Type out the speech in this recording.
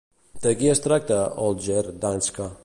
De qui es tracta Holger Danske?